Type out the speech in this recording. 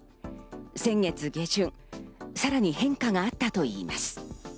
先月下旬、さらに変化があったといいます。